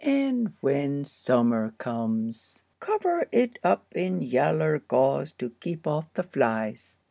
And when summer comes, cover it up in yaller gauze to keep off the flies."